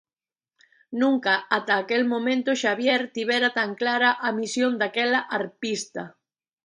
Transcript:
Nunca ata aquel momento Xavier tivera tan clara a misión daquela arpista.